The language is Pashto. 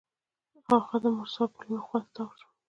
هغه د مرسل ګلونو خوا ته تاوه شوه.